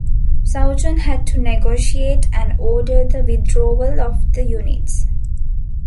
Souchon had to negotiate and order the withdrawal of the units.